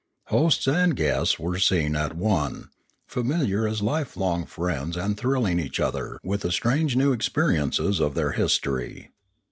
Hosts and guests were seen at one, familiar as lifelong friends and thrilling each other with the strange new experiences of their history.